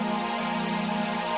pipi yang sebelah akan aku tampar